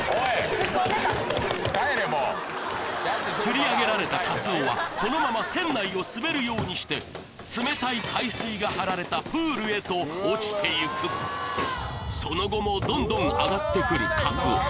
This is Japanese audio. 突っ込んでた釣り上げられたカツオはそのまま船内を滑るようにして冷たい海水が張られたプールへと落ちていくその後もどんどん揚がってくるカツオ